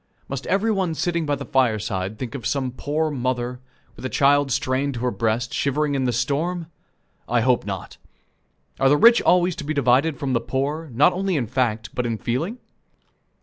Must every one sitting by the fireside think of some poor mother, with a child strained to her breast, shivering in the storm? I hope not. Are the rich always to be divided from the poor, not only in fact, but in feeling?